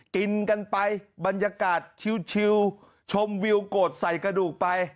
กินกันไปบรรยากาศชิวชมวิวโกรธใส่กระดูกไป